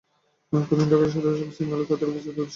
কদিন ধরে ঢাকা শহরের পথে বা সিগন্যালে তাদের উপস্থিতি অদৃশ্য।